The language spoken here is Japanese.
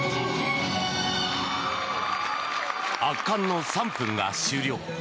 圧巻の３分が終了。